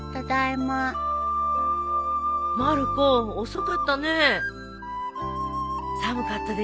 まる子遅かったね。